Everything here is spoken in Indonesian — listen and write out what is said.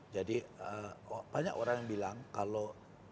jadi banyak orang yang bilang kalau